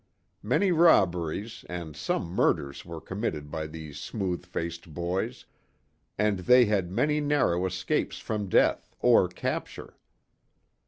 Many robberies and some murders were committed by these smooth faced boys, and they had many narrow escapes from death, or capture.